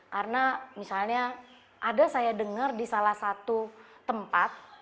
karena misalnya ada saya dengar di salah satu tempat